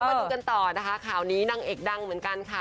มาดูกันต่อนะคะข่าวนี้นางเอกดังเหมือนกันค่ะ